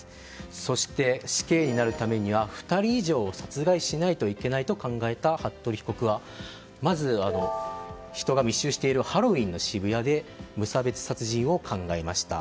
そして、死刑になるためには２人以上殺害しないといけないと考えた服部被告はまず、人が密集しているハロウィーンの渋谷で無差別殺人を考えました。